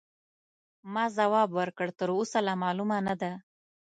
ما ځواب ورکړ: تراوسه لا معلومه نه ده.